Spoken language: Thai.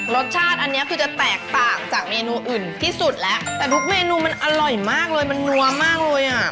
รสชาติอันนี้คือจะแตกต่างจากเมนูอื่นที่สุดแล้วแต่ทุกเมนูมันอร่อยมากเลยมันนัวมากเลยอ่ะ